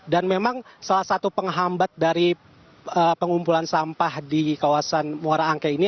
dan memang salah satu penghambat dari pengumpulan sampah di kawasan muara angki ini